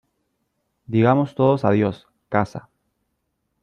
Digamos todos adiós , casa .